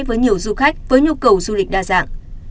với nhiều du khách với nhu cầu du lịch đa dạng